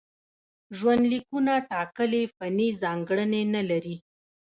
ژوندلیکونه ټاکلې فني ځانګړنې نه لري.